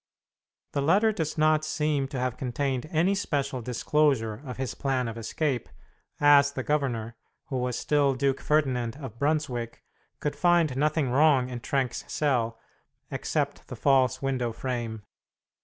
The letter does not seem to have contained any special disclosure of his plan of escape, as the governor, who was still Duke Ferdinand of Brunswick, could find nothing wrong in Trenck's cell except the false window frame.